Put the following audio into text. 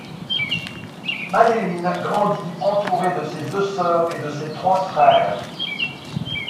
Madilyn grandit entourée de ses deux sœurs et de ses trois frères.